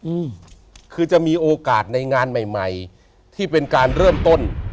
ว่าจะมีโอกาสในงานใหม่ที่เป็นการเริ่มต้น